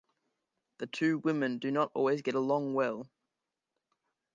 The two women do not always get along well.